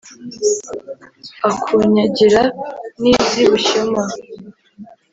akunyagira n'iz'i bushyoma